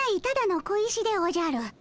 ただの小石でおじゃる。